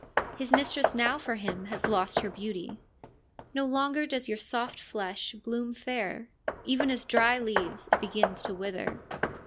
His mistress now for him has lost her beauty. ' No longer does your soft flesh bloom fair ; even as dry leaves it begins to wither.'